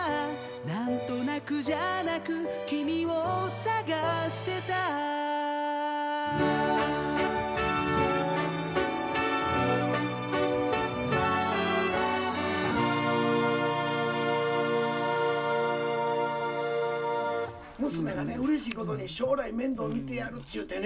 「なんとなくじゃなく『君を探してた』」「娘がねうれしいことに将来面倒見てやるっちゅうてね。